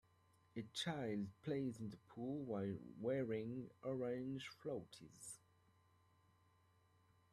A child plays in a pool while wearing orange floaties.